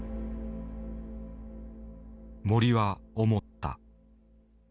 森は思った。